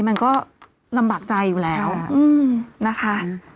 มันก็ลำบากใจอยู่แล้วนะคะ